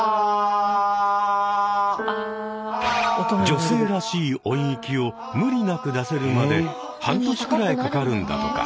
女性らしい音域を無理なく出せるまで半年くらいかかるんだとか。